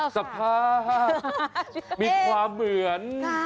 สับผ้ามีความเหวือน